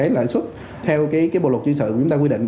lãi suất theo bộ luật dân sự chúng ta quy định